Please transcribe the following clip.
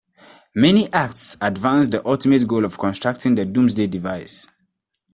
Many Acts advance the ultimate goal of constructing the doomsday device.